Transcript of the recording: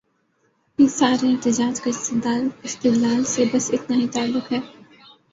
اس سارے احتجاج کا استدلال سے بس اتنا ہی تعلق ہے۔